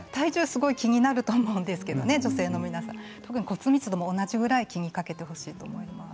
すごく気になると思うんですけど骨密度も同じぐらい気にかけてほしいと思います。